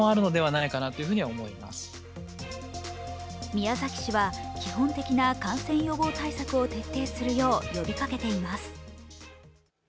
宮崎市は基本的な感染予防対策を徹底するよう呼びかけています。